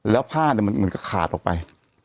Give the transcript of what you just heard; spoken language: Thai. แล้วผ้าเลยมันขาดออกไป